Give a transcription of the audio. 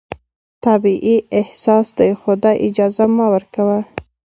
طبیعي احساس دی، خو دا اجازه مه ورکوه